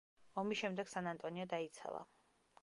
ომის შემდეგ სან-ანტონიო დაიცალა.